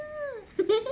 フフフ。